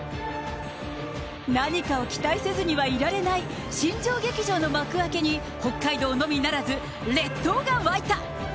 何かを期待せずにはいられない、新庄劇場の幕開けに、北海道のみならず列島が沸いた。